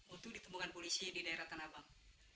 untuk ditemukan polisi di daerah tanabang